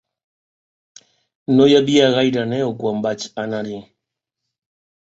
No hi havia gaire neu quan vaig anar-hi.